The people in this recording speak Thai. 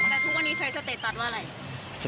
แต่ทุกวันนี้ใช้สเตตัสว่าอะไร